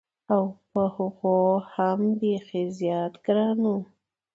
او په هغو هم بېخي زیات ګران و.